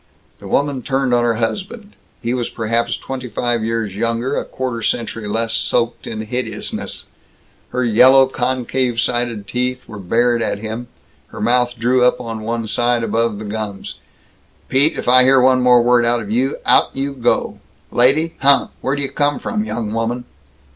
The woman turned on her husband. He was perhaps twenty five years younger; a quarter century less soaked in hideousness. Her yellow, concave sided teeth were bared at him, her mouth drew up on one side above the gums. "Pete, if I hear one word more out of you, out you go. Lady! Huh! Where d' you come from, young woman?"